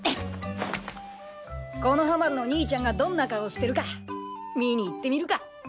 木ノ葉丸の兄ちゃんがどんな顔してるか見に行ってみるか。